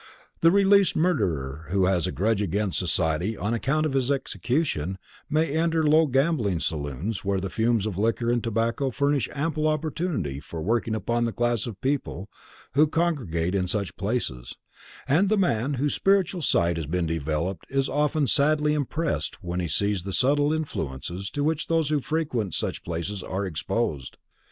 The released murderer who has a grudge against society on account of his execution, may enter low gambling saloons where the fumes of liquor and tobacco furnish ample opportunity for working upon the class of people who congregate in such places, and the man whose spiritual sight has been developed is often sadly impressed when he sees the subtle influences to which those who frequent such places are exposed.